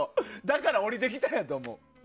だから降りてきたんやと思う。